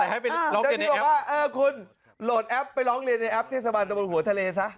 เจ้าที่บอกว่าเออคุณโหลดแอปไปร้องเรียนในแอปเทศบาลตะบนหัวทะเลซะ